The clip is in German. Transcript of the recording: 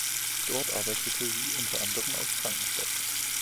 Dort arbeitete sie unter anderem als Krankenschwester.